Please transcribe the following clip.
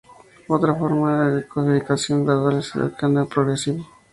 Otra forma de decodificación gradual es el Escaneo progresivo.